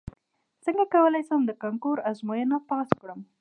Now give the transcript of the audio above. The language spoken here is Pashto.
څنګه کولی شم د کانکور ازموینه پاس کړم